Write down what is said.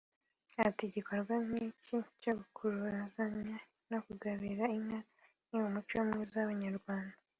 Ati “Igikorwa nk’iki cyo korozanya no kugabirana inka ni umuco mwiza w’abanyarwanda